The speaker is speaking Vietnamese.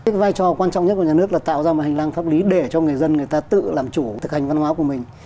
cái vai trò quan trọng nhất của nhà nước là tạo ra một hành lang pháp lý để cho người dân người ta tự làm chủ thực hành văn hóa của mình